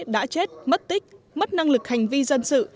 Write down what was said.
đã chết mất tích mất năng lực hành vi dân sự